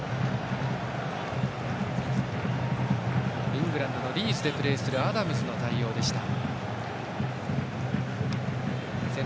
イングランドのリーズでプレーするアダムズの対応でした。